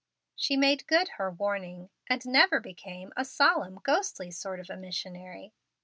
She made good her warning, and never became a "solemn, ghostly sort of a missionary."